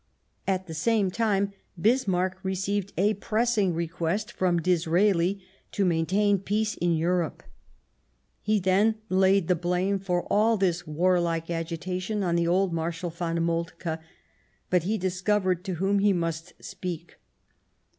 At the same time Bismarck received a pressing request from Disraeli to maintain peace in Europe. He then laid the blame for all this warlike agitation on the old Marshal von Moltke ; but he discovered to whom he must speak.